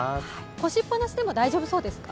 干しっぱなしでも大丈夫そうですか？